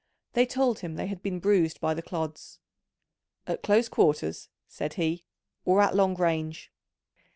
They told him they had been bruised by the clods. "At close quarters?" said he, "or at long range?"